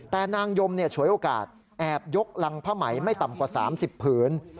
แต่นางยมฉวยโอกาสแอบยกรังผ้าไหมไม่ต่ำกว่า๓๐ผืน